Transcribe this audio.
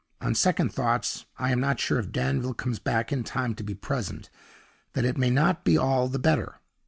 On second thoughts, I am not sure, if Danville comes back in time to be present, that it may not be all the better.